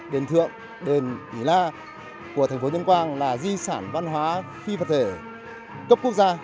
đền thượng đền ý la của thành phố tuyên quang là di sản văn hóa phi vật thể cấp quốc gia